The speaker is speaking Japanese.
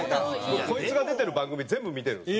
僕こいつが出てる番組全部見てるんです。